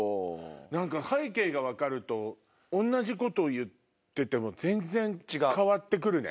何か背景が分かると同じこと言ってても全然変わって来るね。